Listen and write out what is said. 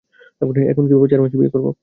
এখন কিভাবে চার মাসে বিয়ে করবো?